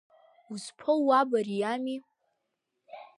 Узԥоу уаб, ари, иами.